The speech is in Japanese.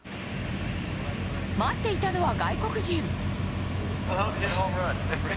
待っていたのは外国人。